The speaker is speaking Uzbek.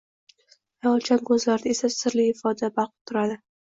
Xayolchan ko`zlarida esa sirli ifoda balqib turadi